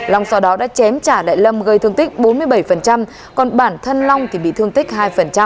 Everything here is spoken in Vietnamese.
long sau đó đã chém trả đại lâm gây thương tích bốn mươi bảy còn bản thân long thì bị thương tích hai